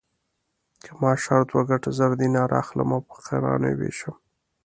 که ما شرط وګټه زر دیناره اخلم او په فقیرانو یې وېشم.